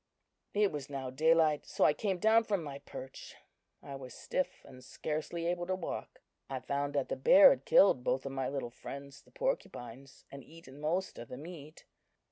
It was now daylight, so I came down from my perch. I was stiff, and scarcely able to walk. I found that the bear had killed both of my little friends, the porcupines, and eaten most of the meat.